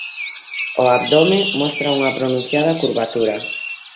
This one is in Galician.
O abdome mostra unha pronunciada curvatura.